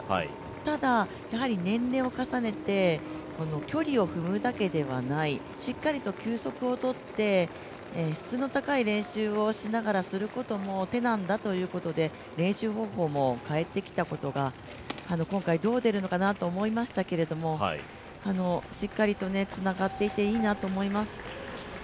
ただ、年齢を重ねて、距離を踏むだけではない、しっかりと休息を取って、質の高い練習をしながらすることも、手なんだということで練習方法も変えてきたことが、今回どう出るのかなと思いましたけど、しっかりとつながっていていいなと思います。